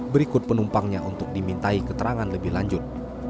berikut penumpangnya untuk dimintai keterangan lebih lanjut